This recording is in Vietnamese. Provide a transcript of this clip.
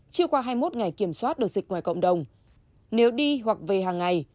chưa qua hai mươi một ngày kiểm soát được dịch ngoài cộng đồng nếu đi hoặc về hàng ngày